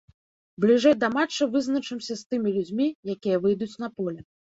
Бліжэй да матча вызначымся з тымі людзьмі, якія выйдуць на поле.